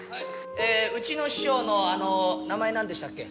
うちの師匠の名前何でしたっけ？